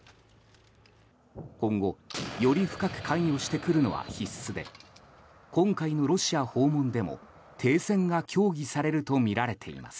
今後より深く関与してくるのは必須で今回のロシア訪問でも停戦が協議されるとみられています。